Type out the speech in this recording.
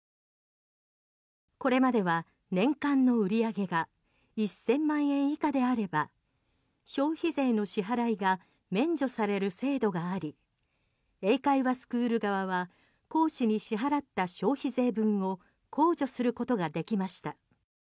これまでは年間の売り上げが１０００万円以下であれば消費税の支払いが免除される制度があり英会話スクール側は講師に支払った消費税分を控除することができました。